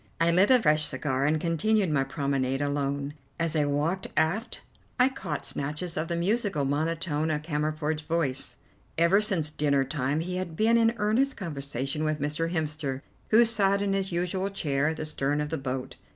I lit a fresh cigar and continued my promenade alone. As I walked aft I caught snatches of the musical monotone of Cammerford's voice. Ever since dinner time he had been in earnest conversation with Mr. Hemster, who sat in his usual chair at the stern of the boat.